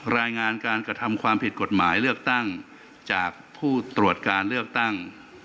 รายงานการกระทำความผิดกฎหมายเลือกตั้งจากผู้ตรวจการเลือกตั้ง